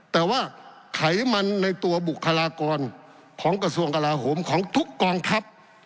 แต่ว่าไขมันในตัวบุคลากรของกระทรวงกลาโหมของทุกกองทัพ